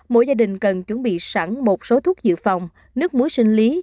mỗi gia đình cần chuẩn bị sẵn một số thuốc dự phòng nước muối sinh lý